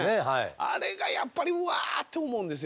あれがやっぱりうわって思うんですよね。